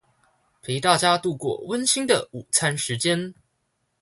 陪大家度過溫馨的午餐時間